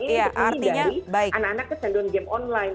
ini dari anak anak kecanduan game online